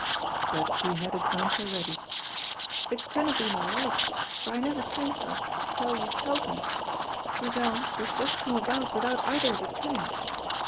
But he had his answer ready, "It canna be my wite, for I never kent o't till you telled me. Grizel, it has just come about without either of us kenning!"